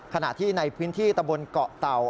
ขณะที่ในพื้นที่ตะบนเกาะเต่า